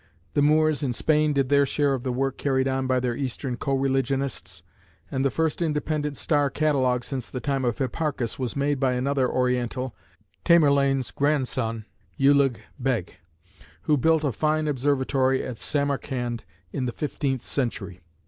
The Moors in Spain did their share of the work carried on by their Eastern co religionists, and the first independent star catalogue since the time of Hipparchus was made by another Oriental, Tamerlane's grandson, Ulugh Begh, who built a fine observatory at Samarcand in the fifteenth century.